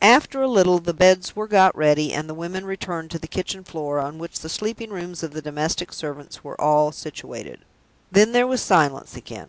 After a little, the beds were got ready and the women returned to the kitchen floor, on which the sleeping rooms of the domestic servants were all situated. Then there was silence again.